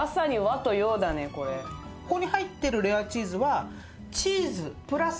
ここに入ってるレアチーズはチーズプラス